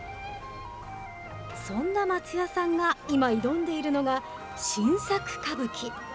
そんな松也さんが今、挑んでいるのが、新作歌舞伎。